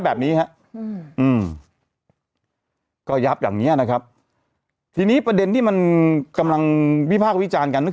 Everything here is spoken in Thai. มานี้ก็ขึ้นอย่างเนี้ยนะครับที่นี้ประเด็นที่จะมันกำลังวิพากษ์วิจารณ์กัน